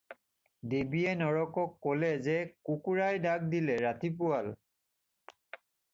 দেৱীয়ে নৰকক ক'লে যে কুকুৰাই ডাক দিলে, ৰাতি পুৱাল।